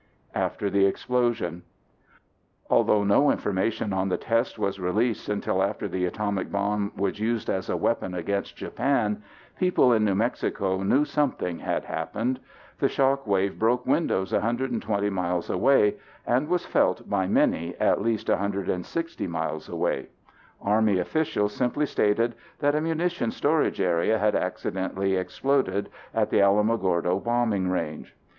After the explosion Although no information on the test was released until after the atomic bomb was used as a weapon against Japan, people in New Mexico knew something had happened. The shock broke windows 120 miles away and was felt by many at least 160 miles away. Army officials simply stated that a munitions storage area had accidentally exploded at the Alamogordo Bombing Range.